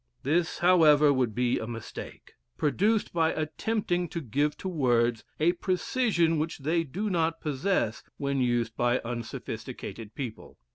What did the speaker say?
This, however, would be a mistake, produced by attempting to give to words a precision which they do not possess when used by unsophisticated people.